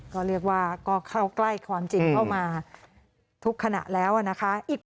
ก็เรียกว่าก็เข้าใกล้ความจริงเข้ามาทุกขณะแล้วนะคะ